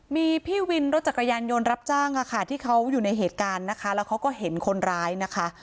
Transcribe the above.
มีพี่วินรถจักรยานยนต์รับจ้างค่ะที่เขาอยู่ในเหตุการณ์นะคะแล้วเขาก็เห็นคนร้ายนะคะ